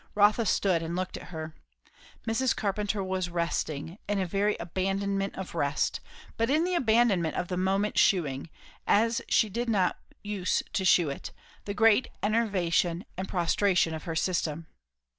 Rotha stood and looked at her. Mrs. Carpenter was resting, in a very abandonment of rest; but in the abandonment of the moment shewing, as she did not use to shew it, the great enervation and prostration of her system.